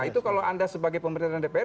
itu kalau anda sebagai pemerintah dan dpr